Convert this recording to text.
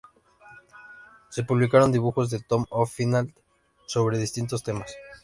Se publicaron dibujos de Tom of Finland sobre distintos temas.